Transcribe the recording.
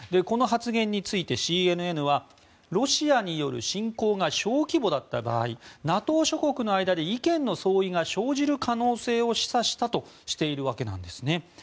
この発言についてＣＮＮはロシアによる侵攻が小規模だった場合ＮＡＴＯ諸国の間で意見の相違が生じる可能性を示唆したとしているわけなんですね。